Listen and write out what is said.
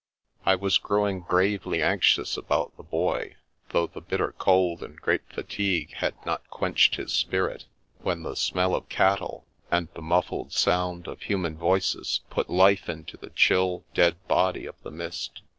I was growing gravely anxious about the Boy, though the bitter cold and great fatigue had not quenched his spirit, when the smell of cattle and the muffled sound of human voices put life into the chill, dead body of the mist.